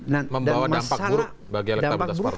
membawa dampak buruk bagi elektabilitas partai